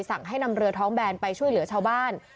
สั่งให้นำเรือท้องแบนไปช่วยเหลือชาวบ้าน